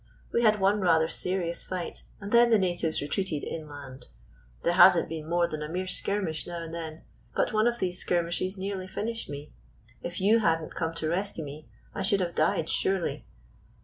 We had one rather serious fight, and then the natives retreated inland. There has n't been more than a mere skirmish now and then ; but one of these skirmishes nearly finished me. If you had n't come to rescue me I should have died, surely."